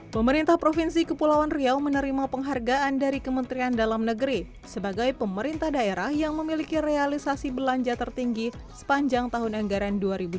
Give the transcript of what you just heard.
pemerintah provinsi kepulauan riau menerima penghargaan dari kementerian dalam negeri sebagai pemerintah daerah yang memiliki realisasi belanja tertinggi sepanjang tahun anggaran dua ribu dua puluh